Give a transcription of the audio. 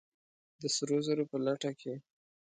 د سرو زرو په لټه کې!